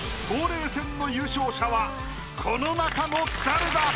冬麗戦の優勝者はこの中の誰だ？